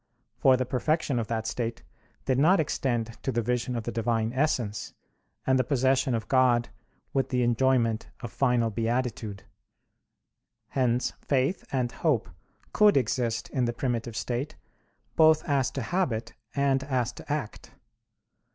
For the perfection of that state did not extend to the vision of the Divine Essence, and the possession of God with the enjoyment of final beatitude. Hence faith and hope could exist in the primitive state, both as to habit and as to act.